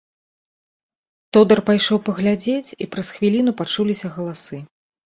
Тодар пайшоў паглядзець, і праз хвіліну пачуліся галасы.